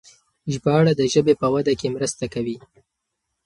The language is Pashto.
ژباړه د ژبې په وده کې مرسته کوي.